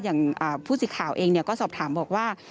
อย่างผู้สิทธิ์ข่าวเองก็สอบถามบอกว่า